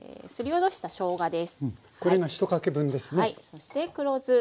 そして黒酢。